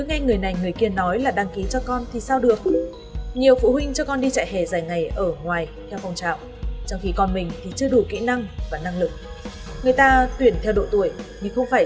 người ta tuyển theo độ tuổi nhưng không phải trẻ em nào trong độ tuổi cũng giống nhau